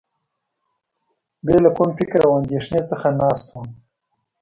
بې له کوم فکر او اندېښنې څخه ناست وم.